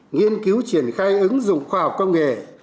nghiên cứu triển khai ứng dụng khoa học công nghệ